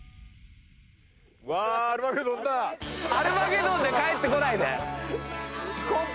『アルマゲドン』で帰ってこないで！